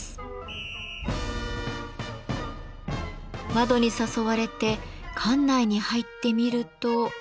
窓に誘われて館内に入ってみると。